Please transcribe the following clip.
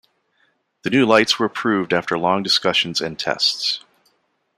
The new lights were approved after long discussions and tests.